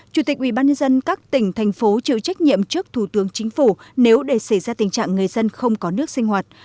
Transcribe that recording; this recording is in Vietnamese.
chủ tịch ubnd các tỉnh thành phố chịu trách nhiệm trước thủ tướng chính phủ nếu để xảy ra tình trạng người dân không có nước sinh hoạt